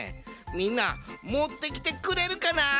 みんなもってきてくれるかな？